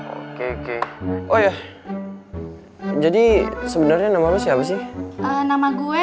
oke oke oh ya jadi sebenarnya nama lo siapa sih nama gue